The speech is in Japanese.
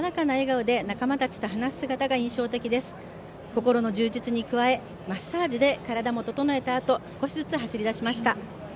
心の充実に加え、マッサージで体も整えたあと少しずつ走りだしました。